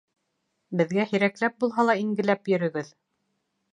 Беҙгә һирәкләп булһа ла ингеләп йөрөгөҙ